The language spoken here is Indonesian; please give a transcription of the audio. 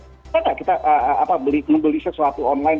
bisa nggak kita membeli sesuatu online